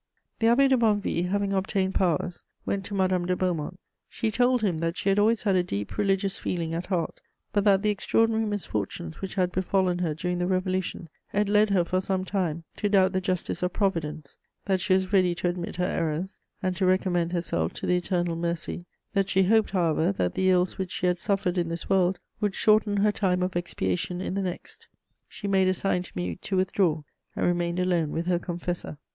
The Abbé de Bonnevie, having obtained powers, went to Madame de Beaumont. She told him that she had always had a deep religious feeling at heart, but that the extraordinary misfortunes which had befallen her during the Revolution had led her for some time to doubt the justice of Providence; that she was ready to admit her errors and to recommend herself to the eternal mercy; that she hoped, however, that the ills which she had suffered in this world would shorten her time of expiation in the next. She made a sign to me to withdraw, and remained alone with her confessor.